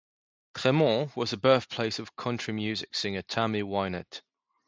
Tremont was the birthplace of country music singer Tammy Wynette.